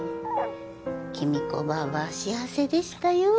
貴美子ばあばは幸せでしたよ